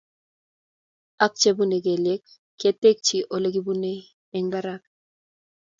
ak chebunei kelyek ketekchi Ole kibunei eng barak